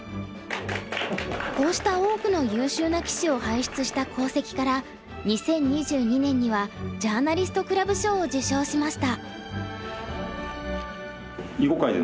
こうした多くの優秀な棋士を輩出した功績から２０２２年にはジャーナリストクラブ賞を受賞しました。